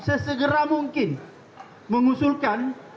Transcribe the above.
sesegera mungkin mengusulkan